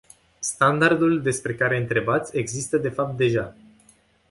Standardul despre care întrebați există de fapt deja.